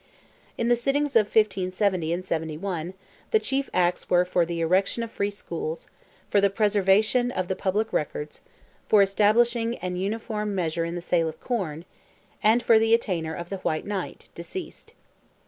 In the sittings of 1570 and '71, the chief acts were for the erection of free schools, for the preservation of the public records, for establishing an uniform measure in the sale of corn, and for the attainder of the White Knight, deceased.